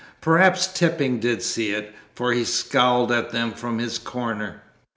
Perhaps Tipping did see it, for he scowled at them from his corner.